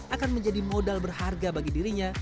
akan menjadi modal berharga bagi dirinya